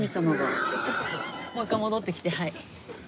もう一回戻ってきてはい。